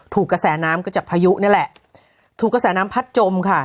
กระแสน้ำก็จากพายุนี่แหละถูกกระแสน้ำพัดจมค่ะ